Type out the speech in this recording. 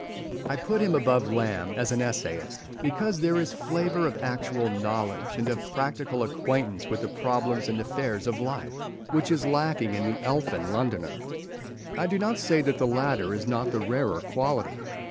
I put him above Lamb as an essayist, because there is a flavour of actual knowledge and of practical acquaintance with the problems and affairs of life, which is lacking in the elfin Londoner. I do not say that the latter is not the rarer quality.